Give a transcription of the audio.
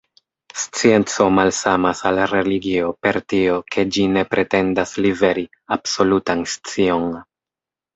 Scienco malsamas al religio, per tio, ke ĝi ne pretendas liveri absolutan scion.